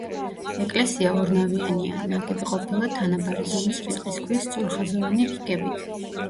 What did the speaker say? ეკლესია ორნავიანია, ნაგები ყოფილა თანაბარი ზომის რიყის ქვის სწორხაზოვანი რიგებით.